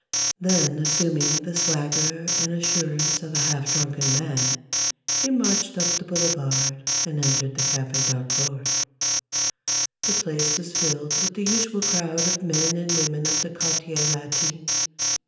Then assuming the swagger and assurance of a half drunken man, he marched up the Boulevard and entered the Cafe d'Harcourt. The place was filled with the usual crowd of men and women of the Quartier Latin.